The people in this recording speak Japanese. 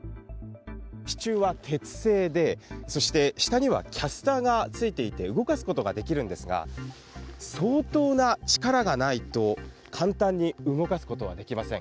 支柱は鉄製で、そして下にはキャスターが付いていて、動かすことができるんですが、相当な力がないと、簡単に動かすことはできません。